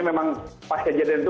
memang pas kejadian itu